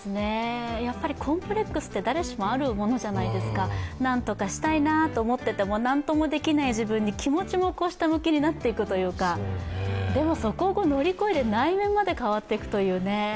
コンプレックスって誰しもあるものじゃないですか、何とかしたいなと思ってても何ともできない自分に気持ちもまた下向きになっていくというかでもそこを乗り越えて、内面まで変わっていくというね。